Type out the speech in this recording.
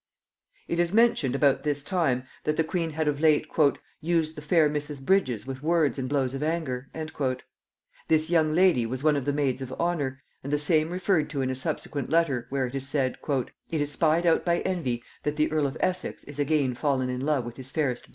It is mentioned about this time, that the queen had of late "used the fair Mrs. Bridges with words and blows of anger." This young lady was one of the maids of honor, and the same referred to in a subsequent letter, where it is said, "it is spied out by envy that the earl of Essex is again fallen in love with his fairest B."